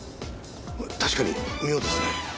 確かに妙ですね。